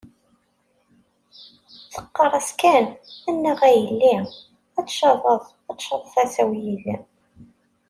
Teqqar-as kan, anaɣ a yelli, ad tcaḍeḍ, ad tcaḍ tasa-w yid-m.